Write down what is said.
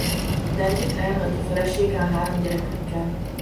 Dannyt elhagyja felesége a három gyerekükkel.